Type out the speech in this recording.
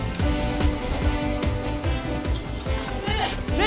ねえ！